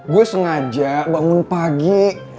gue sengaja bangun pagi